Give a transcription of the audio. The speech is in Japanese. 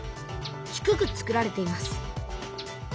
低くつくられています。